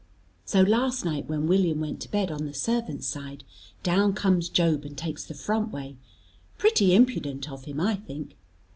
So last night when William went to bed on the servants' side, down comes Job and takes the front way, pretty impudent of him I think.